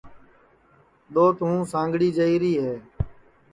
دؔوت ہوں سانگھڑی جائیری ہے